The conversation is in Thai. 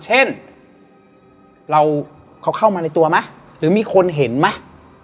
เช่นเขาเข้ามาในตัวมั้ยหรือมีคนเห็นมั้ย